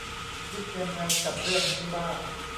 คิดยังไงกับเรื่องนี้บ้าง